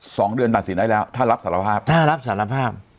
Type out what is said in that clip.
สองเดือนตัดสินได้แล้วถ้ารับสารภาพถ้ารับสารภาพ